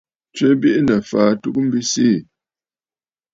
Tswe biʼinə̀ fàa ɨtugə mbi siì.